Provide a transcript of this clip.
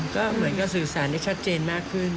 ก็เหมือนกับสื่อสารได้ชัดเจนมากขึ้น